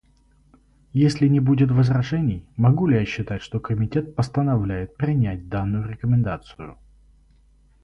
Если не будет возражений, могу ли я считать, что Комитет постановляет принять данную рекомендацию?